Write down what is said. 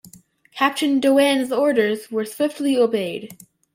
Captain Doane's orders were swiftly obeyed.